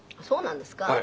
そうなんですか？